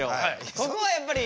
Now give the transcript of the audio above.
ここはやっぱり。